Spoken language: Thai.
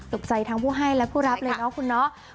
ใจทั้งผู้ให้และผู้รับเลยเนาะคุณเนาะ